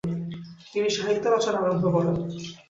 তিনি সাহিত্য রচনা আরম্ভ করেন।